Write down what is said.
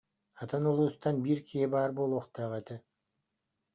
Атын улуустан биир киһи баар буолуохтаах этэ